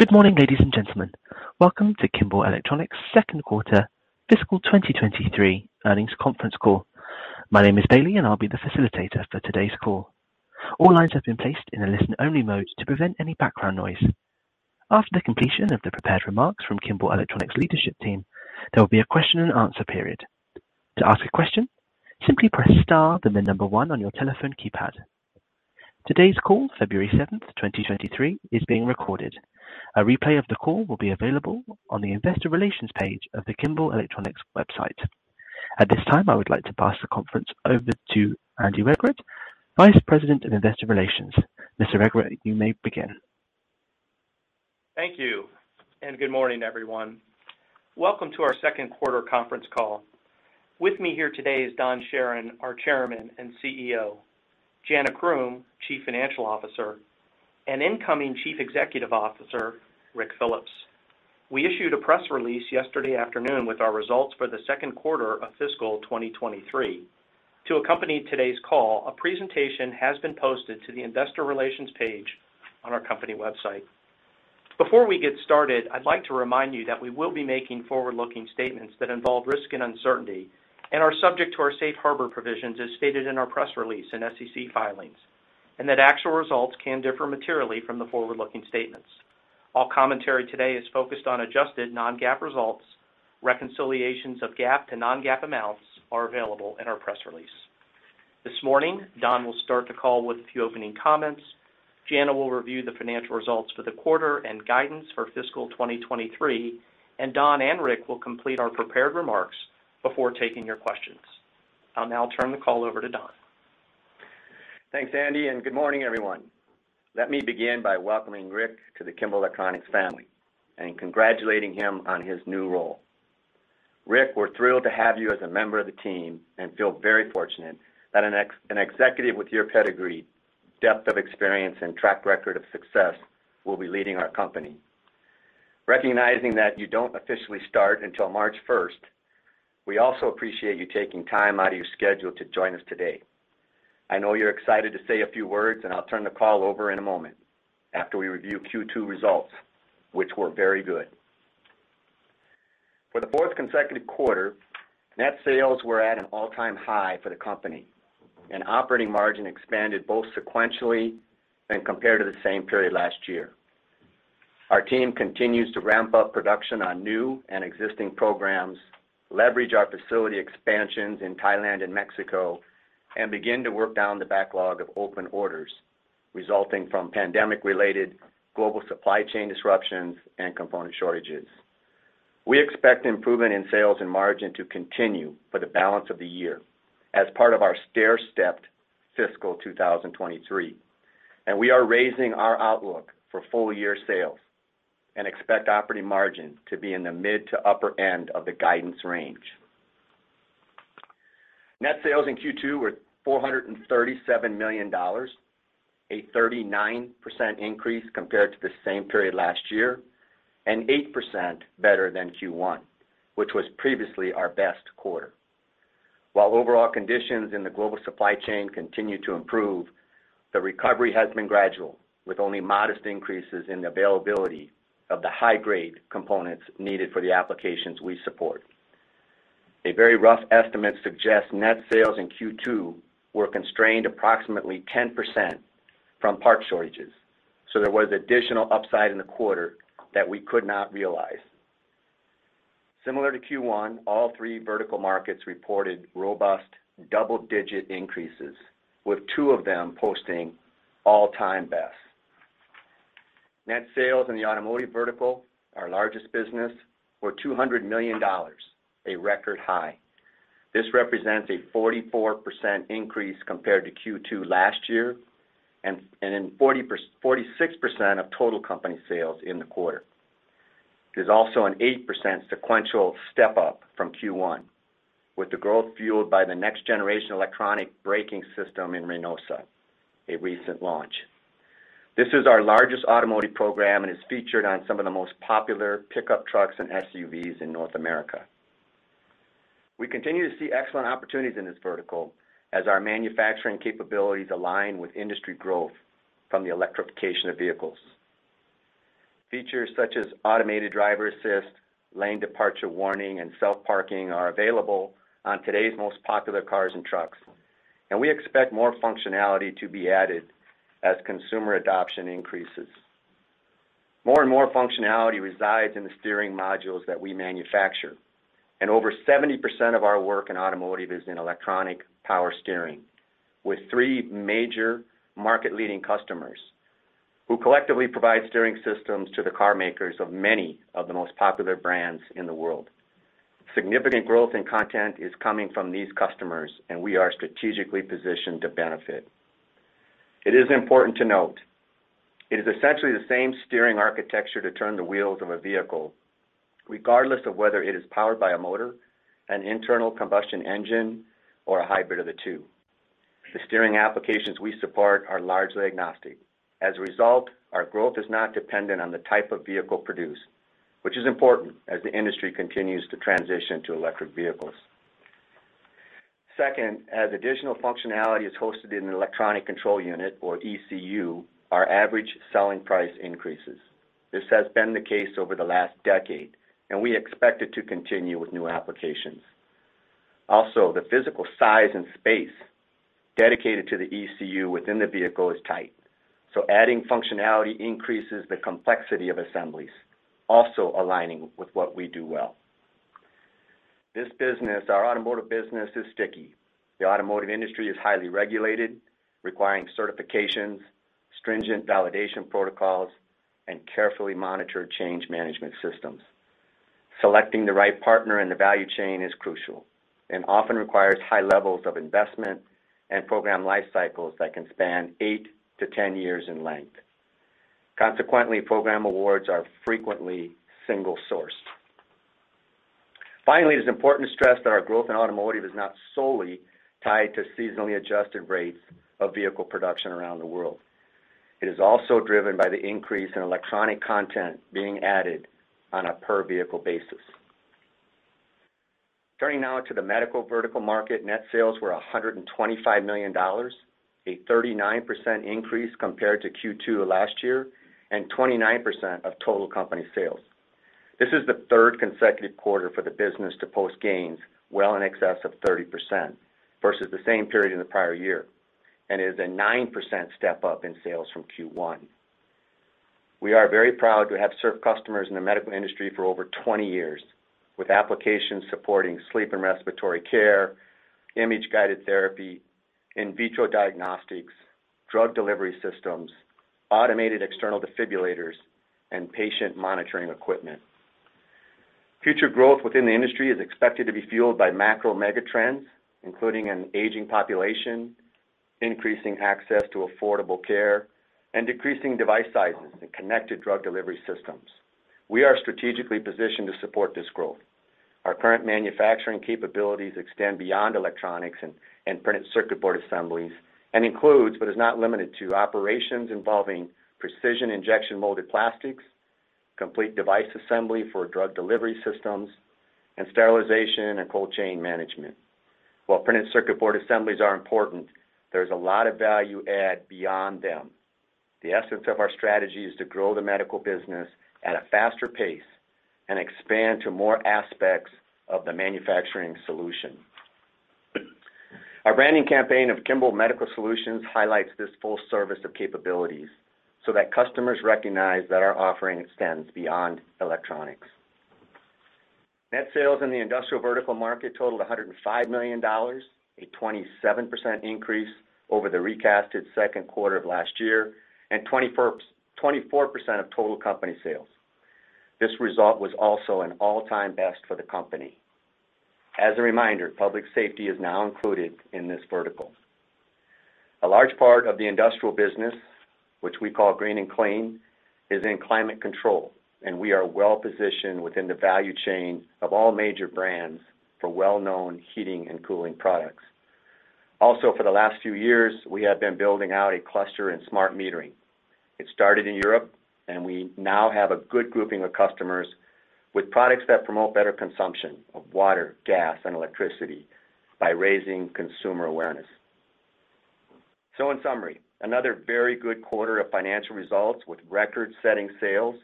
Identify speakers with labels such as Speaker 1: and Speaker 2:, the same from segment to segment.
Speaker 1: Good morning, ladies and gentlemen. Welcome to Kimball Electronics' second quarter fiscal 2023 earnings conference call. My name is Bailey, and I'll be the facilitator for today's call. All lines have been placed in a listen-only mode to prevent any background noise. After the completion of the prepared remarks from Kimball Electronics' leadership team, there will be a question-and-answer period. To ask a question, simply press star then one on your telephone keypad. Today's call, February 7, 2023, is being recorded. A replay of the call will be available on the investor relations page of the Kimball Electronics website. At this time, I would like to pass the conference over to Andy Regrut, Vice President of Investor Relations. Mr. Regrut, you may begin.
Speaker 2: Thank you. Good morning, everyone. Welcome to our second quarter conference call. With me here today is Don Charron, our Chairman and CEO, Jana Croom, Chief Financial Officer, and incoming Chief Executive Officer, Ric Phillips. We issued a press release yesterday afternoon with our results for the second quarter of fiscal 2023. To accompany today's call, a presentation has been posted to the investor relations page on our company website. Before we get started, I'd like to remind you that we will be making forward-looking statements that involve risk and uncertainty and are subject to our safe harbor provisions as stated in our press release and SEC filings, and that actual results can differ materially from the forward-looking statements. All commentary today is focused on adjusted non-GAAP results. Reconciliations of GAAP to non-GAAP amounts are available in our press release. This morning, Don will start the call with a few opening comments. Jana will review the financial results for the quarter and guidance for fiscal 2023. Don and Ric will complete our prepared remarks before taking your questions. I'll now turn the call over to Don.
Speaker 3: Thanks, Andy. Good morning, everyone. Let me begin by welcoming Ric to the Kimball Electronics family and congratulating him on his new role. Ric, we're thrilled to have you as a member of the team and feel very fortunate that an executive with your pedigree, depth of experience, and track record of success will be leading our company. Recognizing that you don't officially start until March 1st, we also appreciate you taking time out of your schedule to join us today. I know you're excited to say a few words. I'll turn the call over in a moment after we review Q2 results, which were very good. For the fourth consecutive quarter, net sales were at an all-time high for the company. Operating margin expanded both sequentially and compared to the same period last year. Our team continues to ramp up production on new and existing programs, leverage our facility expansions in Thailand and Mexico, and begin to work down the backlog of open orders resulting from pandemic-related global supply chain disruptions and component shortages. We expect improvement in sales and margin to continue for the balance of the year as part of our stairstepped fiscal 2023, and we are raising our outlook for full-year sales and expect operating margin to be in the mid- to upper end of the guidance range. Net sales in Q2 were $437 million, a 39% increase compared to the same period last year, and 8% better than Q1, which was previously our best quarter. While overall conditions in the global supply chain continue to improve, the recovery has been gradual, with only modest increases in the availability of the high-grade components needed for the applications we support. A very rough estimate suggests net sales in Q2 were constrained approximately 10% from part shortages. There was additional upside in the quarter that we could not realize. Similar to Q1, all three vertical markets reported robust double-digit increases, with two of them posting all-time bests. Net sales in the automotive vertical, our largest business, were $200 million, a record high. This represents a 44% increase compared to Q2 last year and 46% of total company sales in the quarter. There's also an 8% sequential step-up from Q1, with the growth fueled by the next-generation electronic braking system in Reynosa, a recent launch. This is our largest automotive program and is featured on some of the most popular pickup trucks and SUVs in North America. We continue to see excellent opportunities in this vertical as our manufacturing capabilities align with industry growth from the electrification of vehicles. Features such as automated driver assist, lane departure warning, and self-parking are available on today's most popular cars and trucks. We expect more functionality to be added as consumer adoption increases. More and more functionality resides in the steering modules that we manufacture. Over 70% of our work in automotive is in electronic power steering, with three major market-leading customers who collectively provide steering systems to the car makers of many of the most popular brands in the world. Significant growth in content is coming from these customers. We are strategically positioned to benefit. It is important to note it is essentially the same steering architecture to turn the wheels of a vehicle regardless of whether it is powered by a motor, an internal combustion engine, or a hybrid of the two. The steering applications we support are largely agnostic. As a result, our growth is not dependent on the type of vehicle produced, which is important as the industry continues to transition to electric vehicles. Second, as additional functionality is hosted in an electronic control unit or ECU, our average selling price increases. This has been the case over the last decade, and we expect it to continue with new applications. Also, the physical size and space dedicated to the ECU within the vehicle is tight, so adding functionality increases the complexity of assemblies, also aligning with what we do well. This business, our automotive business, is sticky. The automotive industry is highly regulated, requiring certifications, stringent validation protocols, and carefully monitored change management systems. Selecting the right partner in the value chain is crucial and often requires high levels of investment and program life cycles that can span eight to 10 years in length. Consequently, program awards are frequently single-sourced. Finally, it is important to stress that our growth in automotive is not solely tied to seasonally adjusted rates of vehicle production around the world. It is also driven by the increase in electronic content being added on a per-vehicle basis. Turning now to the medical vertical market, net sales were $125 million, a 39% increase compared to Q2 of last year and 29% of total company sales. This is the third consecutive quarter for the business to post gains well in excess of 30% versus the same period in the prior year and is a 9% step-up in sales from Q1. We are very proud to have served customers in the medical industry for over 20 years with applications supporting sleep and respiratory care, image-guided therapy, in vitro diagnostics, drug delivery systems, automated external defibrillators, and patient monitoring equipment. Future growth within the industry is expected to be fueled by macro mega trends, including an aging population, increasing access to affordable care, and decreasing device sizes and connected drug delivery systems. We are strategically positioned to support this growth. Our current manufacturing capabilities extend beyond electronics and printed circuit board assemblies and includes, but is not limited to operations involving precision injection molded plastics, complete device assembly for drug delivery systems, and sterilization and cold chain management. While printed circuit board assemblies are important, there's a lot of value add beyond them. The essence of our strategy is to grow the medical business at a faster pace and expand to more aspects of the manufacturing solution. Our branding campaign of Kimball Medical Solutions highlights this full service of capabilities so that customers recognize that our offering extends beyond electronics. Net sales in the industrial vertical market totaled $105 million, a 27% increase over the recasted second quarter of last year and 24% of total company sales. This result was also an all-time best for the company. As a reminder, public safety is now included in this vertical. A large part of the industrial business, which we call green and clean, is in climate control, and we are well-positioned within the value chain of all major brands for well-known heating and cooling products. Also, for the last few years, we have been building out a cluster in smart metering. It started in Europe, and we now have a good grouping of customers with products that promote better consumption of water, gas, and electricity by raising consumer awareness. In summary, another very good quarter of financial results with record-setting sales,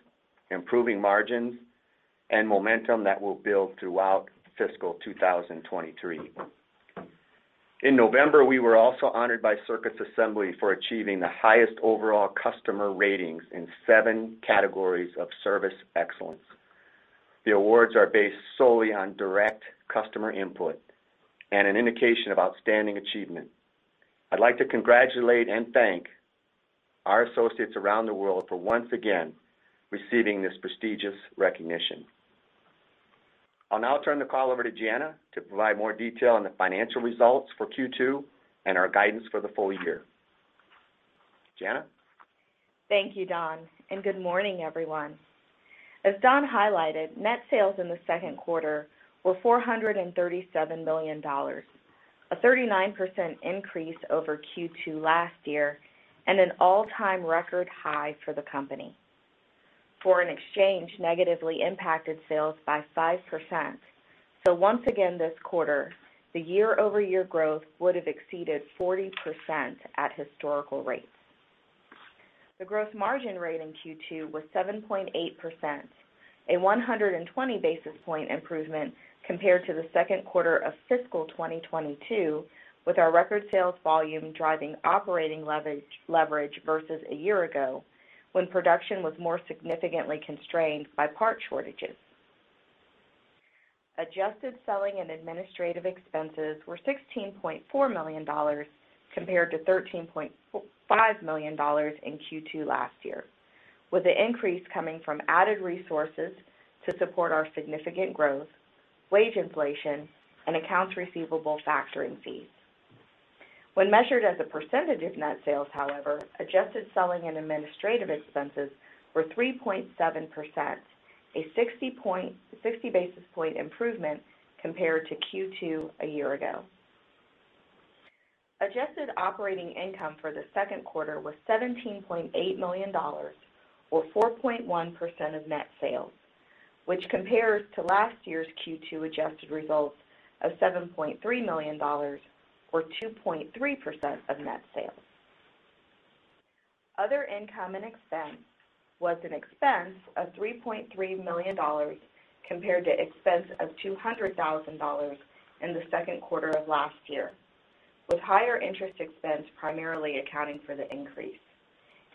Speaker 3: improving margins, and momentum that will build throughout fiscal 2023. In November, we were also honored by Circuits Assembly for achieving the highest overall customer ratings in seven categories of service excellence. The awards are based solely on direct customer input and an indication of outstanding achievement. I'd like to congratulate and thank our associates around the world for once again receiving this prestigious recognition. I'll now turn the call over to Jana to provide more detail on the financial results for Q2 and our guidance for the full year. Jana?
Speaker 4: Thank you, Don, and good morning, everyone. As Don highlighted, net sales in the second quarter were $437 million, a 39% increase over Q2 last year and an all-time record high for the company. Foreign exchange negatively impacted sales by 5%. Once again this quarter, the year-over-year growth would have exceeded 40% at historical rates. The gross margin rate in Q2 was 7.8%, a 120 basis point improvement compared to the second quarter of fiscal 2022, with our record sales volume driving operating leverage versus a year ago when production was more significantly constrained by part shortages. Adjusted selling and administrative expenses were $16.4 million compared to $13.5 million in Q2 last year, with the increase coming from added resources to support our significant growth, wage inflation, and accounts receivable factoring fees. When measured as a percentage of net sales, however, adjusted selling and administrative expenses were 3.7%, a 60 basis point improvement compared to Q2 a year ago. Adjusted operating income for the second quarter was $17.8 million, or 4.1% of net sales, which compares to last year's Q2 adjusted results of $7.3 million, or 2.3% of net sales. Other income and expense was an expense of $3.3 million compared to expense of $200,000 in the second quarter of last year, with higher interest expense primarily accounting for the increase,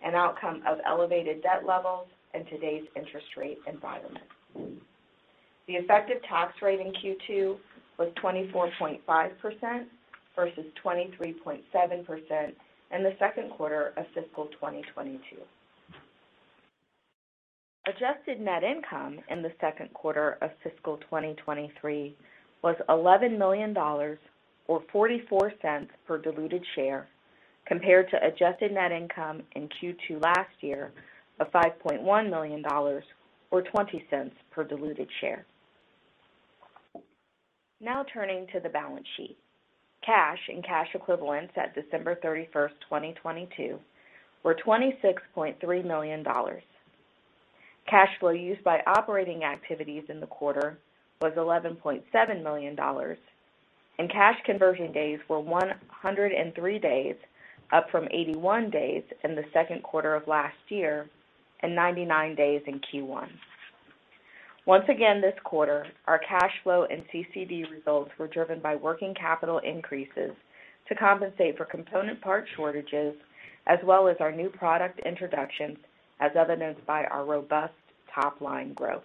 Speaker 4: an outcome of elevated debt levels in today's interest rate environment. The effective tax rate in Q2 was 24.5% versus 23.7% in the second quarter of fiscal 2022. Adjusted net income in the second quarter of fiscal 2023 was $11 million or $0.44 per diluted share compared to adjusted net income in Q2 last year of $5.1 million or $0.20 per diluted share. Turning to the balance sheet. Cash and cash equivalents at December 31, 2022 were $26.3 million. Cash flow used by operating activities in the quarter was $11.7 million. Cash conversion days were 103 days, up from 81 days in the second quarter of last year and 99 days in Q1. Once again this quarter, our cash flow and CCD results were driven by working capital increases to compensate for component part shortages as well as our new product introductions, as evidenced by our robust top-line growth.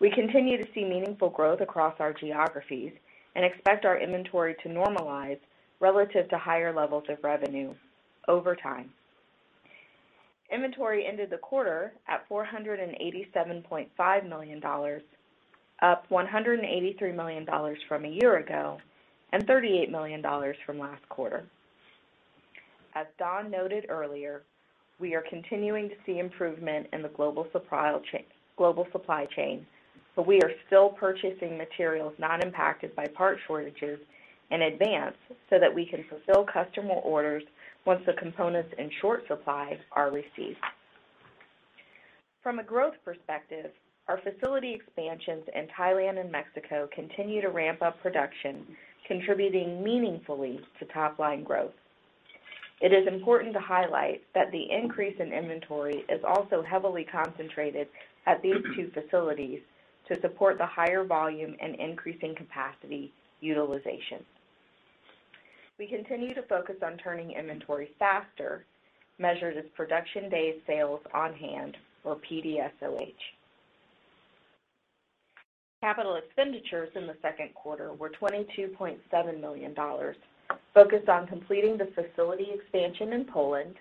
Speaker 4: We continue to see meaningful growth across our geographies and expect our inventory to normalize relative to higher levels of revenue over time. Inventory ended the quarter at $487.5 million, up $183 million from a year ago and $38 million from last quarter. As Don noted earlier, we are continuing to see improvement in the global supply chain, we are still purchasing materials not impacted by part shortages in advance so that we can fulfill customer orders once the components in short supply are received. From a growth perspective, our facility expansions in Thailand and Mexico continue to ramp up production, contributing meaningfully to top-line growth. It is important to highlight that the increase in inventory is also heavily concentrated at these two facilities to support the higher volume and increasing capacity utilization. We continue to focus on turning inventory faster, measured as production day sales on hand, or PDSoH. Capital expenditures in the second quarter were $22.7 million, focused on completing the facility expansion in Poland,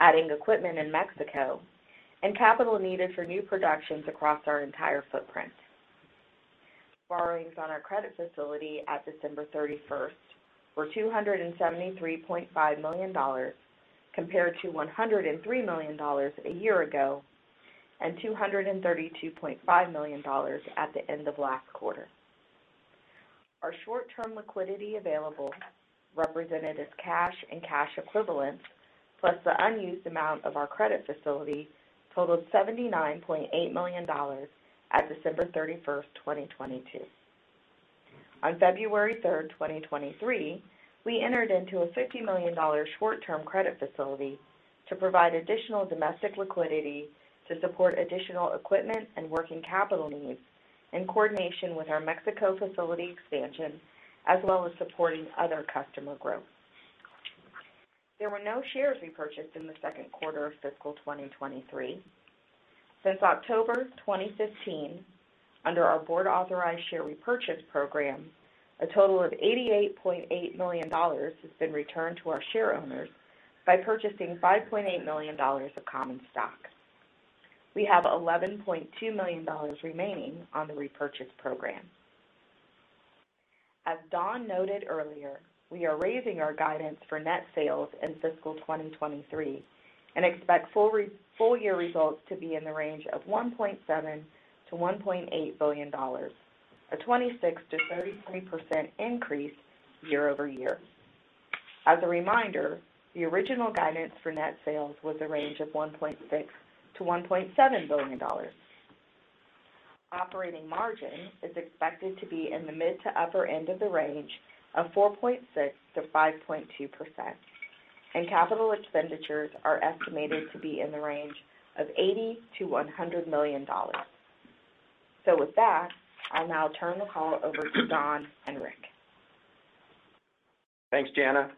Speaker 4: adding equipment in Mexico, and capital needed for new productions across our entire footprint. Borrowings on our credit facility at December 31st were $273.5 million compared to $103 million a year ago and $232.5 million at the end of last quarter. Our short-term liquidity available, represented as cash and cash equivalents, plus the unused amount of our credit facility, totaled $79.8 million at December 31st, 2022. On February 3rd, 2023, we entered into a $50 million short-term credit facility to provide additional domestic liquidity to support additional equipment and working capital needs in coordination with our Mexico facility expansion, as well as supporting other customer growth. There were no shares repurchased in the second quarter of fiscal 2023. Since October 2015, under our board-authorized share repurchase program, a total of $88.8 million has been returned to our shareowners by purchasing $5.8 million of common stock. We have $11.2 million remaining on the repurchase program. As Don noted earlier, we are raising our guidance for net sales in fiscal 2023 and expect full year results to be in the range of $1.7 billion-$1.8 billion, a 26%-33% increase year-over-year. As a reminder, the original guidance for net sales was a range of $1.6 billion-$1.7 billion. Operating margin is expected to be in the mid- to upper end of the range of 4.6%-5.2%, and capital expenditures are estimated to be in the range of $80 million-$100 million. With that, I'll now turn the call over to Don Charron and Ric Phillips.
Speaker 3: Thanks, Jana.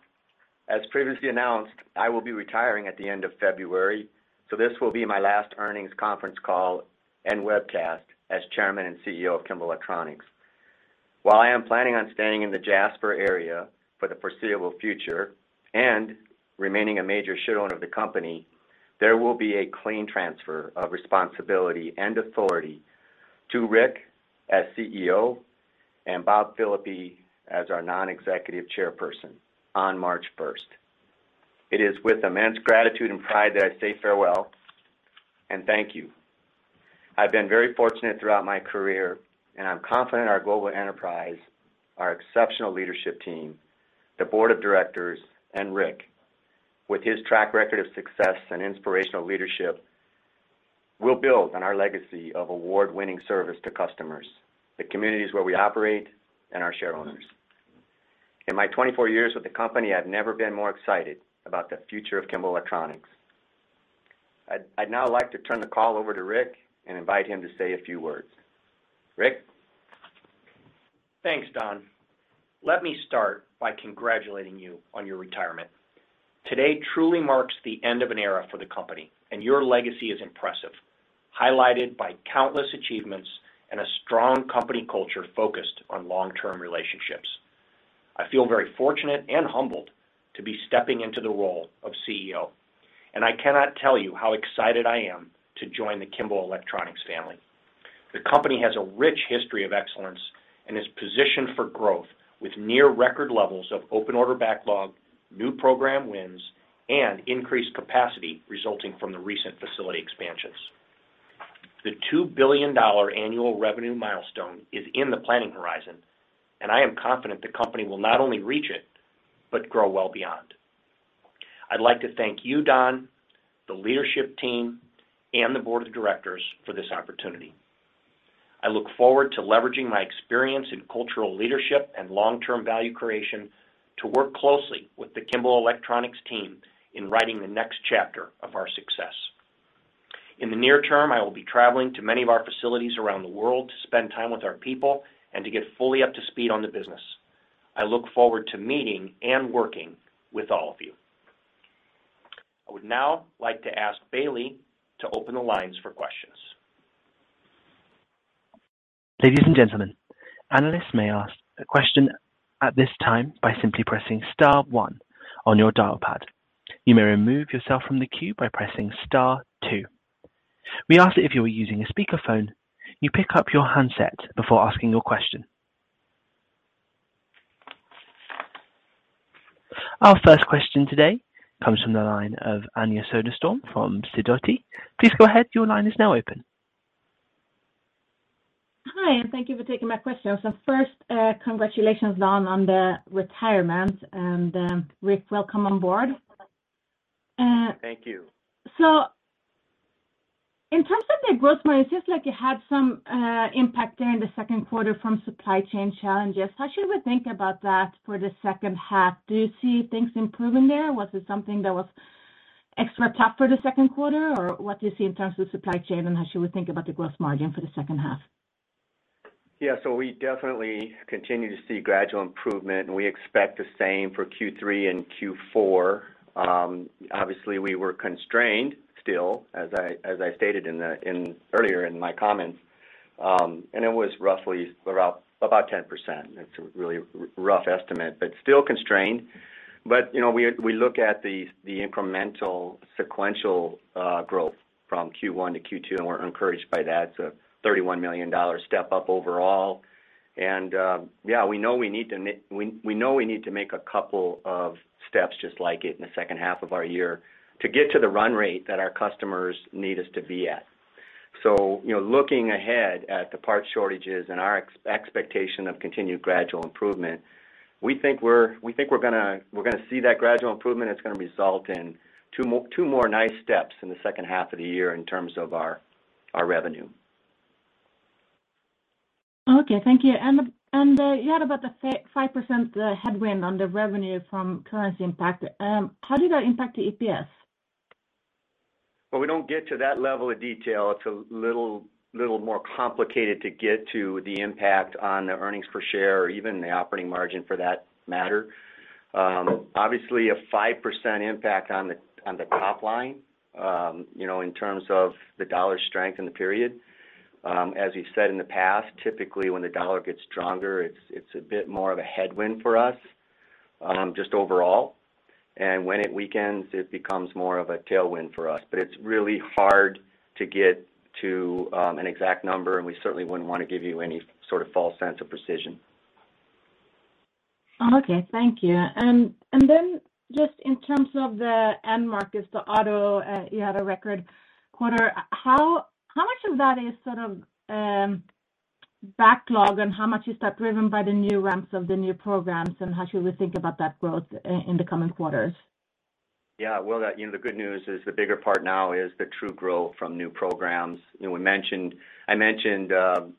Speaker 3: As previously announced, I will be retiring at the end of February, so this will be my last earnings conference call and webcast as Chairman and CEO of Kimball Electronics. While I am planning on staying in the Jasper area for the foreseeable future and remaining a major shareowner of the company, there will be a clean transfer of responsibility and authority to Ric as CEO and Bob Phillippy as our non-executive chairperson on March 1st. It is with immense gratitude and pride that I say farewell and thank you. I've been very fortunate throughout my career, and I'm confident our global enterprise, our exceptional leadership team, the board of directors, and Ric, with his track record of success and inspirational leadership, will build on our legacy of award-winning service to customers, the communities where we operate, and our shareholders. In my 24 years with the company, I'd now like to turn the call over to Ric and invite him to say a few words. Ric.
Speaker 5: Thanks, Don. Let me start by congratulating you on your retirement. Today truly marks the end of an era for the company, and your legacy is impressive. Highlighted by countless achievements and a strong company culture focused on long-term relationships. I feel very fortunate and humbled to be stepping into the role of CEO, and I cannot tell you how excited I am to join the Kimball Electronics family. The company has a rich history of excellence and is positioned for growth with near record levels of open order backlog, new program wins, and increased capacity resulting from the recent facility expansions. The $2 billion annual revenue milestone is in the planning horizon, and I am confident the company will not only reach it, but grow well beyond. I'd like to thank you, Don, the leadership team, and the board of directors for this opportunity. I look forward to leveraging my experience in cultural leadership and long-term value creation to work closely with the Kimball Electronics team in writing the next chapter of our success. In the near term, I will be traveling to many of our facilities around the world to spend time with our people and to get fully up to speed on the business. I look forward to meeting and working with all of you. I would now like to ask Bailey to open the lines for questions.
Speaker 1: Ladies and gentlemen, analysts may ask a question at this time by simply pressing star one on your dial pad. You may remove yourself from the queue by pressing star two. We ask that if you are using a speakerphone, you pick up your handset before asking your question. Our first question today comes from the line of Anja Soderstrom from Sidoti. Please go ahead. Your line is now open.
Speaker 6: Hi, thank you for taking my question. First, congratulations, Don, on the retirement and, Ric, welcome on board.
Speaker 5: Thank you.
Speaker 6: In terms of the gross margin, it seems like you had some impact there in the second quarter from supply chain challenges. How should we think about that for the second half? Do you see things improving there? Was it something that was extra tough for the second quarter? Or what do you see in terms of supply chain, and how should we think about the gross margin for the second half?
Speaker 3: We definitely continue to see gradual improvement, and we expect the same for Q3 and Q4. Obviously, we were constrained still, as I stated earlier in my comments, it was roughly around about 10%. It's a really rough estimate, but still constrained. You know, we look at the incremental sequential growth from Q1 to Q2, and we're encouraged by that. It's a $31 million step-up overall. We know we need to make a couple of steps just like it in the second half of our year to get to the run rate that our customers need us to be at. You know, looking ahead at the part shortages and our expectation of continued gradual improvement, we think we're gonna see that gradual improvement. It's gonna result in two more nice steps in the second half of the year in terms of our revenue.
Speaker 6: Okay, thank you. You had about the 5% headwind on the revenue from currency impact. How did that impact the EPS?
Speaker 3: We don't get to that level of detail. It's a little more complicated to get to the impact on the earnings per share or even the operating margin for that matter. Obviously a 5% impact on the, on the top line, you know, in terms of the dollar strength in the period. As we said in the past, typically, when the dollar gets stronger, it's a bit more of a headwind for us, just overall. When it weakens, it becomes more of a tailwind for us. It's really hard to get to an exact number, and we certainly wouldn't wanna give you any sort of false sense of precision.
Speaker 6: Okay. Thank you. Then just in terms of the end markets, the auto, you had a record quarter. How much of that is sort of backlog, and how much is that driven by the new ramps of the new programs? How should we think about that growth in the coming quarters?
Speaker 3: Yeah. Well, the, you know, the good news is the bigger part now is the true growth from new programs. You know, I mentioned,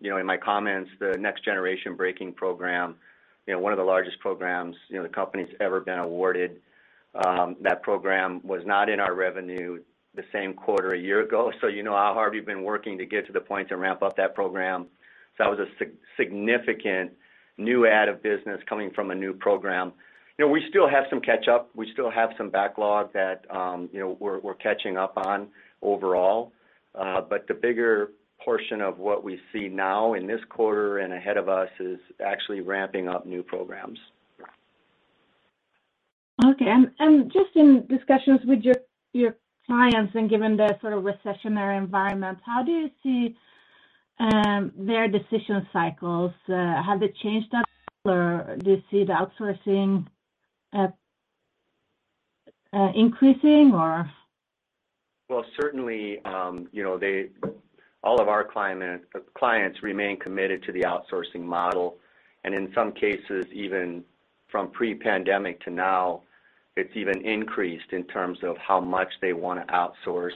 Speaker 3: you know, in my comments, the next-generation braking program, you know, one of the largest programs, you know, the company's ever been awarded. That program was not in our revenue the same quarter a year ago. You know how hard we've been working to get to the point to ramp up that program. That was a significant new add of business coming from a new program. You know, we still have some catch-up. We still have some backlog that, you know, we're catching up on overall. The bigger portion of what we see now in this quarter and ahead of us is actually ramping up new programs.
Speaker 6: Okay. Just in discussions with your clients and given the sort of recessionary environment, how do you see their decision cycles? Have they changed at all, or do you see the outsourcing, - increasing or?
Speaker 3: Well, certainly, you know, all of our client clients remain committed to the outsourcing model. In some cases, even from pre-pandemic to now, it's even increased in terms of how much they wanna outsource.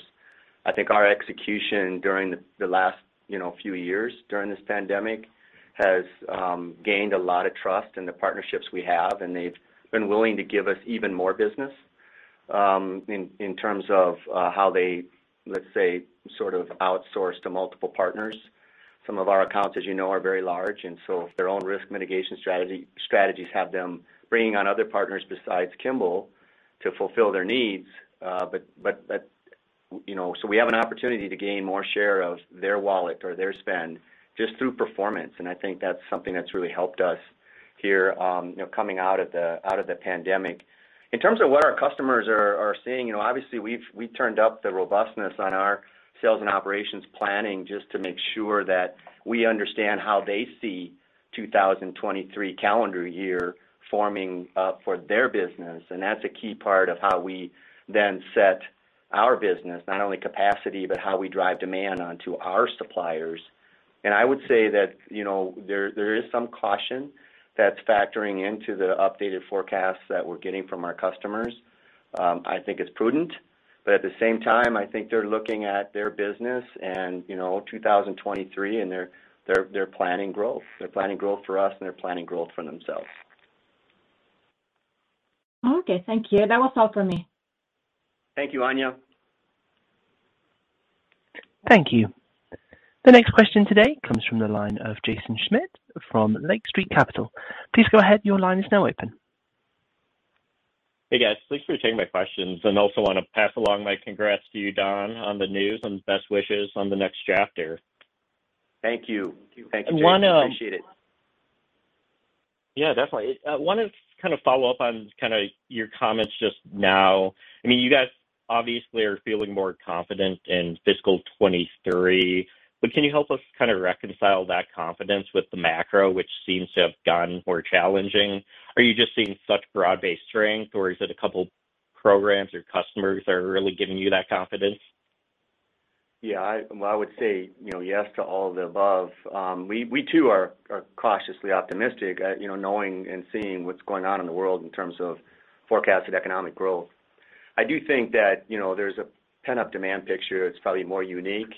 Speaker 3: I think our execution during the last, you know, few years during this pandemic has gained a lot of trust in the partnerships we have, and they've been willing to give us even more business in terms of how they, let's say, sort of outsource to multiple partners. Some of our accounts, as you know, are very large, and so their own risk mitigation strategies have them bringing on other partners besides Kimball to fulfill their needs. You know, so we have an opportunity to gain more share of their wallet or their spend just through performance. I think that's something that's really helped us here, you know, coming out of the pandemic. In terms of what our customers are seeing, you know, obviously, we turned up the robustness on our sales and operations planning just to make sure that we understand how they see 2023 calendar year forming for their business. That's a key part of how we then set our business, not only capacity, but how we drive demand onto our suppliers. I would say that, you know, there is some caution that's factoring into the updated forecasts that we're getting from our customers. I think it's prudent, but at the same time, I think they're looking at their business and, you know, 2023, and they're planning growth. They're planning growth for us, and they're planning growth for themselves.
Speaker 6: Okay. Thank you. That was all for me.
Speaker 3: Thank you, Anja.
Speaker 1: Thank you. The next question today comes from the line of Jaeson Schmidt from Lake Street Capital. Please go ahead. Your line is now open.
Speaker 7: Hey, guys. Thanks for taking my questions, and also wanna pass along my congrats to you, Don, on the news and best wishes on the next chapter.
Speaker 3: Thank you. Thank you, Jaeson.
Speaker 7: one.
Speaker 3: Appreciate it.
Speaker 7: Yeah, definitely. Wanted to kind of follow up on kinda your comments just now. I mean, you guys obviously are feeling more confident in fiscal 2023. Can you help us kind of reconcile that confidence with the macro, which seems to have gotten more challenging? Are you just seeing such broad-based strength, or is it a couple programs or customers that are really giving you that confidence?
Speaker 3: Yeah. Well, I would say, you know, yes to all of the above. We, we too are cautiously optimistic, you know, knowing and seeing what's going on in the world in terms of forecasted economic growth. I do think that, you know, there's a pent-up demand picture. It's probably more unique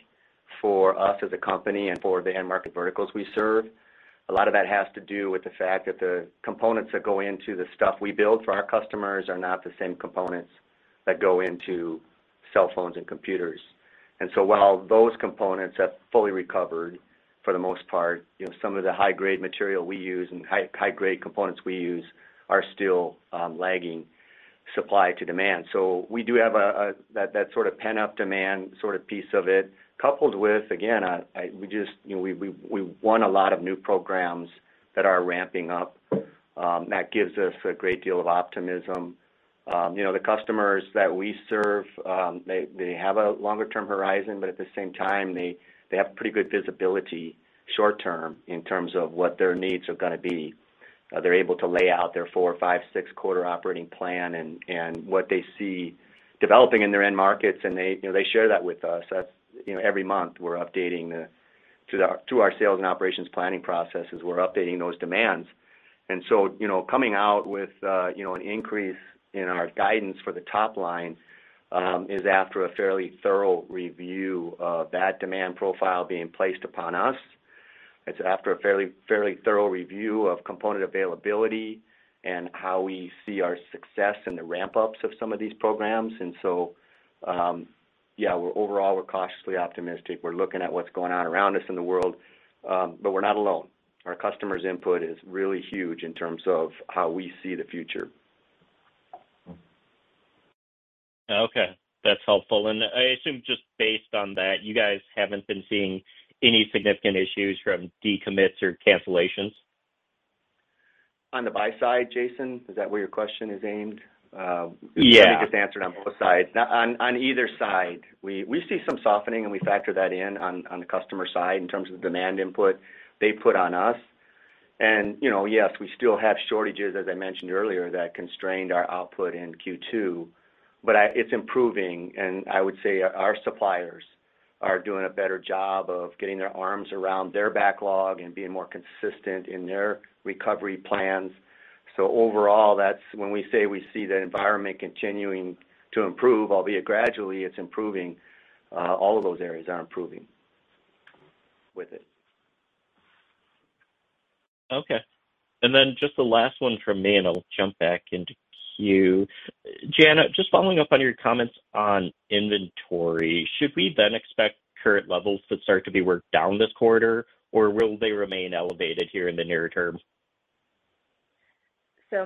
Speaker 3: for us as a company and for the end market verticals we serve. A lot of that has to do with the fact that the components that go into the stuff we build for our customers are not the same components that go into cell phones and computers. While those components have fully recovered for the most part, you know, some of the high-grade material we use and high, high-grade components we use are still lagging supply to demand. We do have a. That sort of pent-up demand sort of piece of it, coupled with, again, we just, you know, we won a lot of new programs that are ramping up, that gives us a great deal of optimism. You know, the customers that we serve, they have a longer-term horizon, but at the same time, they have pretty good visibility short term in terms of what their needs are gonna be. They're able to lay out their four, five, six-quarter operating plan and what they see developing in their end markets, and they, you know, they share that with us. That's, you know, every month, we're updating to our sales and operations planning processes, we're updating those demands. You know, coming out with, you know, an increase in our guidance for the top line, is after a fairly thorough review of that demand profile being placed upon us. It's after a fairly thorough review of component availability and how we see our success in the ramp-ups of some of these programs. Yeah, we're overall, we're cautiously optimistic. We're looking at what's going on around us in the world, but we're not alone. Our customers' input is really huge in terms of how we see the future.
Speaker 7: Okay. That's helpful. I assume just based on that, you guys haven't been seeing any significant issues from decommits or cancellations.
Speaker 3: On the buy side, Jaeson, is that where your question is aimed?
Speaker 7: Yeah.
Speaker 3: Let me just answer it on both sides. On either side, we see some softening, we factor that in on the customer side in terms of demand input they put on us. You know, yes, we still have shortages, as I mentioned earlier, that constrained our output in Q2, but it's improving. I would say our suppliers are doing a better job of getting their arms around their backlog and being more consistent in their recovery plans. Overall, that's when we say we see the environment continuing to improve, albeit gradually, it's improving. All of those areas are improving with it.
Speaker 7: Okay. Just the last one from me, and I'll jump back into queue. Jana, just following up on your comments on inventory, should we then expect current levels to start to be worked down this quarter, or will they remain elevated here in the near term?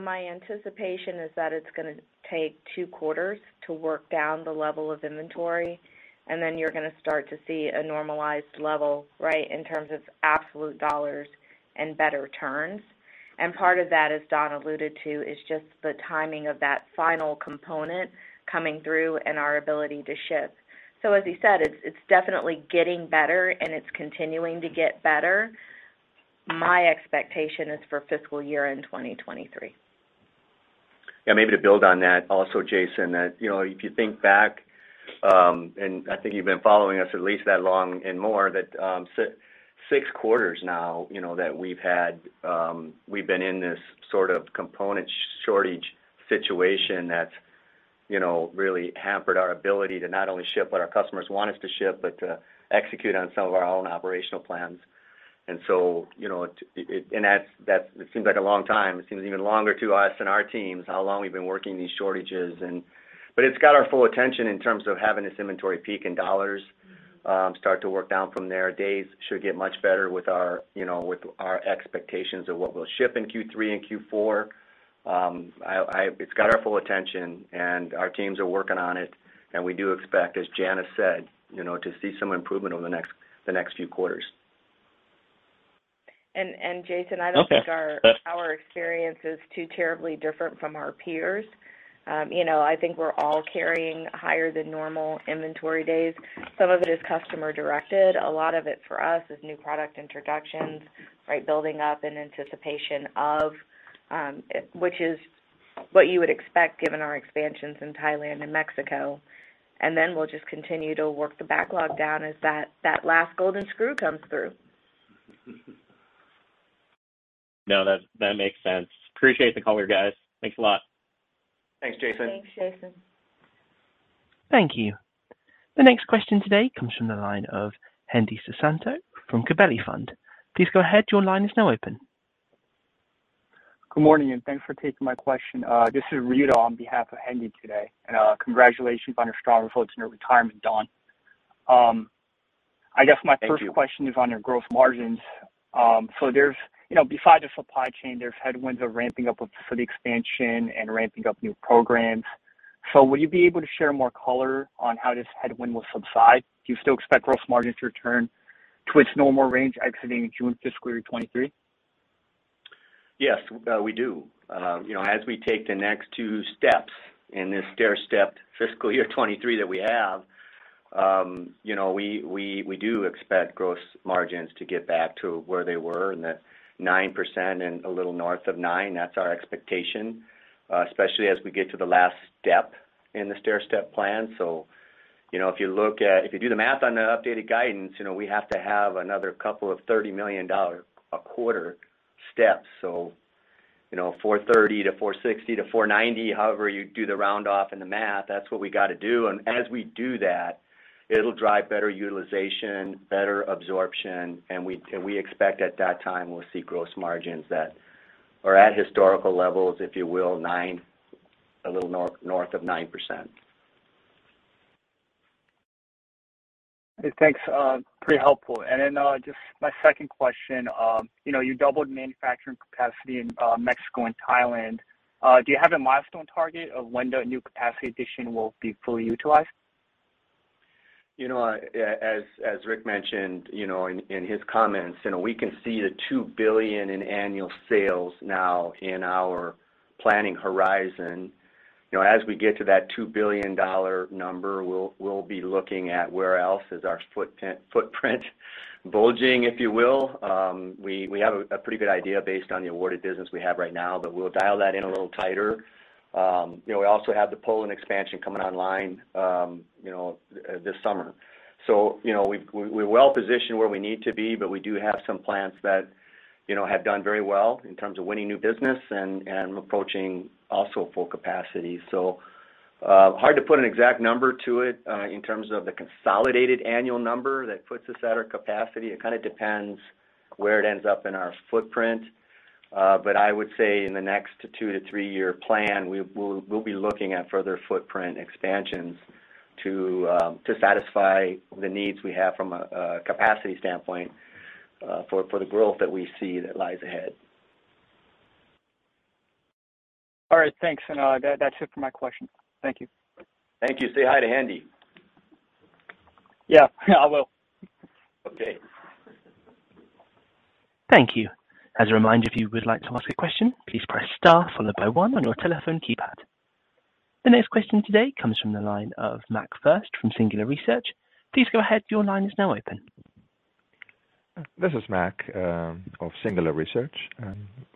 Speaker 4: My anticipation is that it's gonna take two quarters to work down the level of inventory, and then you're gonna start to see a normalized level, right, in terms of absolute dollars and better turns. Part of that, as Don alluded to, is just the timing of that final component coming through and our ability to ship. As he said, it's definitely getting better, and it's continuing to get better. My expectation is for fiscal year-end 2023.
Speaker 3: Yeah, maybe to build on that also, Jaeson, that, you know, if you think back, and I think you've been following us at least that long and more, that six quarters now, you know, that we've had, we've been in this sort of component shortage situation that's, you know, really hampered our ability to not only ship what our customers want us to ship, but to execute on some of our own operational plans. You know, that seems like a long time. It seems even longer to us and our teams, how long we've been working these shortages and. It's got our full attention in terms of having this inventory peak in dollars, start to work down from there. Days should get much better with our, you know, with our expectations of what we'll ship in Q3 and Q4. It's got our full attention, and our teams are working on it, and we do expect, as Jana said, you know, to see some improvement over the next, the next few quarters.
Speaker 4: Jaeson, I don't think our experience is too terribly different from our peers. you know, I think we're all carrying higher than normal inventory days. Some of it is customer-directed. A lot of it for us is new product introductions, right? Building up in anticipation of, which is what you would expect given our expansions in Thailand and Mexico. Then we'll just continue to work the backlog down as that last golden screw comes through.
Speaker 7: No, that makes sense. Appreciate the call here, guys. Thanks a lot.
Speaker 3: Thanks, Jaeson.
Speaker 4: Thanks, Jaeson.
Speaker 1: Thank you. The next question today comes from the line of Hendi Susanto from Gabelli Funds. Please go ahead. Your line is now open.
Speaker 8: Good morning, and thanks for taking my question. This is Rido on behalf of Hendi today. Congratulations on your strong results and your retirement, Don. I guess my first question.
Speaker 3: Thank you.
Speaker 8: -is on your gross margins. There's, you know, besides the supply chain, there's headwinds of ramping up for the expansion and ramping up new programs. Will you be able to share more color on how this headwind will subside? Do you still expect gross margins to return to its normal range exiting June fiscal year 2023?
Speaker 3: We do. You know, as we take the next two steps in this stair-stepped fiscal year 2023 that we have, you know, we do expect gross margins to get back to where they were in the 9% and a little north of 9%. That's our expectation, especially as we get to the last step in the stairstep plan. You know, if you do the math on the updated guidance, you know, we have to have another couple of $30 million a quarter steps. You know, $430 million to $460 million to $490 million, however you do the round off in the math, that's what we got to do. As we do that, it'll drive better utilization, better absorption, and we expect at that time we'll see gross margins that are at historical levels, if you will, a little north of 9%.
Speaker 8: Thanks, pretty helpful. Just my second question, you know, you doubled manufacturing capacity in Mexico and Thailand. Do you have a milestone target of when the new capacity addition will be fully utilized?
Speaker 3: You know, as Ric mentioned, you know, in his comments, you know, we can see the $2 billion in annual sales now in our planning horizon. You know, as we get to that $2 billion number, we'll be looking at where else is our footprint bulging, if you will. We have a pretty good idea based on the awarded business we have right now, but we'll dial that in a little tighter. You know, we also have the Poland expansion coming online, you know, this summer. You know, we're well-positioned where we need to be, but we do have some plants that, you know, have done very well in terms of winning new business and approaching also full capacity. Hard to put an exact number to it in terms of the consolidated annual number that puts us at our capacity. It kind of depends where it ends up in our footprint. But I would say in the next two- to three-year plan, we'll be looking at further footprint expansions to satisfy the needs we have from a capacity standpoint for the growth that we see that lies ahead.
Speaker 8: All right. Thanks. That's it for my questions. Thank you.
Speaker 3: Thank you. Say hi to Hendi.
Speaker 8: Yeah, I will.
Speaker 3: Okay.
Speaker 1: Thank you. As a reminder, if you would like to ask a question, please press star followed by one on your telephone keypad. The next question today comes from the line of Mac Furst from Singular Research. Please go ahead. Your line is now open.
Speaker 9: This is Mac of Singular Research.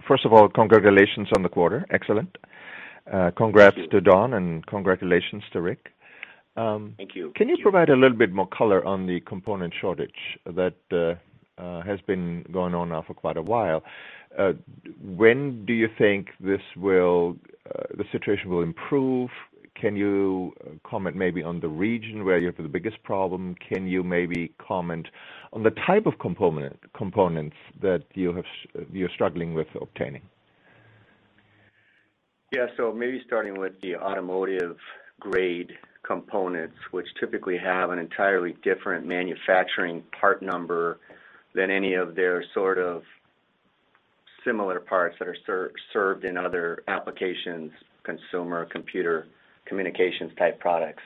Speaker 9: First of all, congratulations on the quarter. Excellent.
Speaker 3: Thank you.
Speaker 9: Congrats to Don and congratulations to Ric.
Speaker 3: Thank you.
Speaker 9: Can you provide a little bit more color on the component shortage that has been going on now for quite a while? When do you think this will the situation will improve? Can you comment maybe on the region where you have the biggest problem? Can you maybe comment on the type of components that you're struggling with obtaining?
Speaker 3: Maybe starting with the automotive-grade components, which typically have an entirely different manufacturing part number than any of their sort of similar parts that are served in other applications, consumer, computer, communications type products.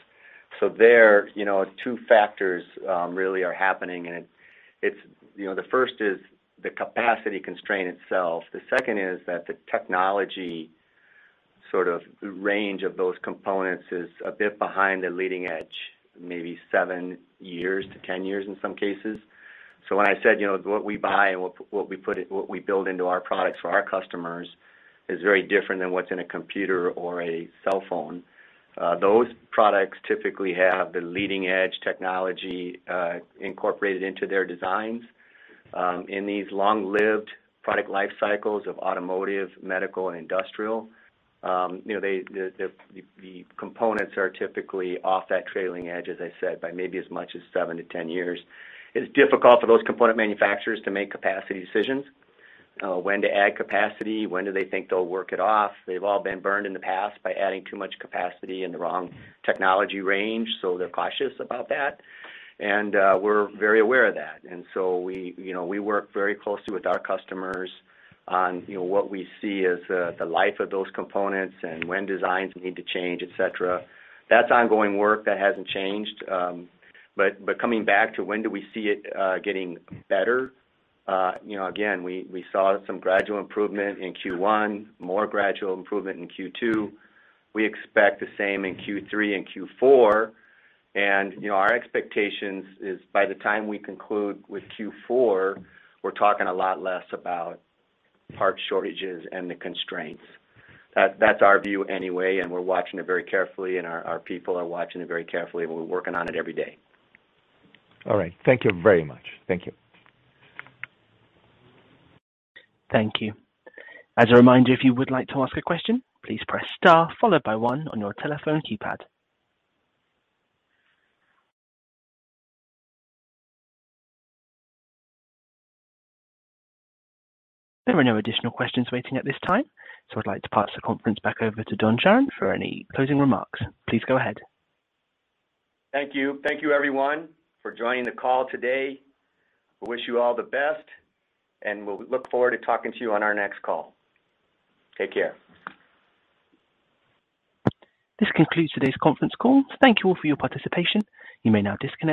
Speaker 3: There, you know, two factors really are happening. It's, you know, the first is the capacity constraint itself. The second is that the technology, sort of range of those components is a bit behind the leading edge, maybe seven years to 10 years in some cases. When I said, you know, what we buy and what we build into our products for our customers is very different than what's in a computer or a cell phone. Those products typically have the leading edge technology incorporated into their designs. In these long-lived product life cycles of automotive, medical, and industrial, you know, they, the components are typically off that trailing edge, as I said, by maybe as much as seven to 10 years. It's difficult for those component manufacturers to make capacity decisions. When to add capacity, when do they think they'll work it off. They've all been burned in the past by adding too much capacity in the wrong technology range, so they're cautious about that. We're very aware of that. So we, you know, we work very closely with our customers on, you know, what we see as the life of those components and when designs need to change, et cetera. That's ongoing work. That hasn't changed. Coming back to when do we see it getting better, again, we saw some gradual improvement in Q1, more gradual improvement in Q2. We expect the same in Q3 and Q4. Our expectations is by the time we conclude with Q4, we're talking a lot less about part shortages and the constraints. That's our view anyway, and we're watching it very carefully, and our people are watching it very carefully. We're working on it every day.
Speaker 9: All right. Thank you very much. Thank you.
Speaker 1: Thank you. As a reminder, if you would like to ask a question, please press star followed by one on your telephone keypad. There are no additional questions waiting at this time, so I'd like to pass the conference back over to Don Charron for any closing remarks. Please go ahead.
Speaker 3: Thank you. Thank you, everyone, for joining the call today. We wish you all the best. We'll look forward to talking to you on our next call. Take care.
Speaker 1: This concludes today's conference call. Thank you all for your participation. You may now disconnect.